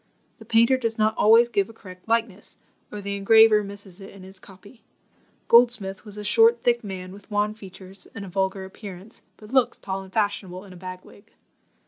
The painter does not always give a correct likeness, or the engraver misses it in his copy. Goldsmith was a short thick man, with wan features and a vulgar appearance, but looks tall and fashionable in a bag wig.